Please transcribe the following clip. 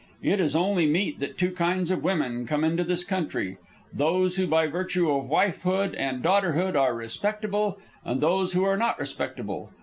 It is only meet that two kinds of women come into this country. Those who by virtue of wifehood and daughterhood are respectable, and those who are not respectable.